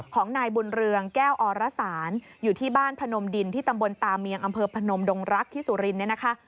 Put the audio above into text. ของนายบุญเรืองแก้วอรสารอยู่ที่บ้านพนมดินที่ตำบลตาเมียงอำเภอพนมดงรักที่สุรินทร์เนี่ยนะคะ